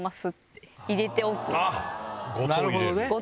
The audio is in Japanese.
なるほどね！